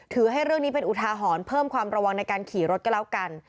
ให้เรื่องนี้เป็นอุทาหรณ์เพิ่มความระวังในการขี่รถก็แล้วกัน